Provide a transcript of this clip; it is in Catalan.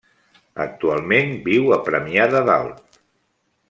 Actualment viu a Premià de Dalt.